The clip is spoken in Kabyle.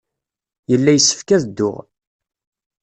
Yella yessefk ad dduɣ.